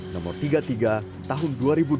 nomor tiga puluh tiga tahun dua ribu dua puluh